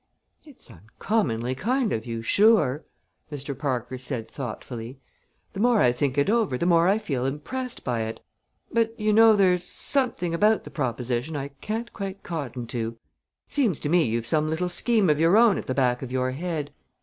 "It's uncommonly kind of you, sure!" Mr. Parker said thoughtfully. "The more I think it over, the more I feel impressed by it; but, do you know, there's something about the proposition I can't quite cotton to! Seems to me you've some little scheme of your own at the back of your head.